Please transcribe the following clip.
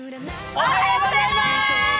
おはようございます。